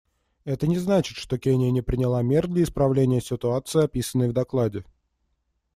Это не значит, что Кения не приняла мер для исправления ситуации, описанной в докладе.